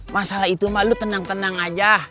masalah itu mah lu tenang tenang aja